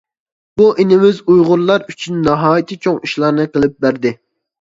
بۇ ئىنىمىز ئۇيغۇرلار ئۈچۈن ناھايىتى چوڭ ئىشلارنى قىلىپ بەردى.